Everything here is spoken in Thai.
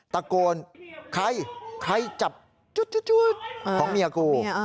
ตะโกนใครใครจับจุดของเมียกู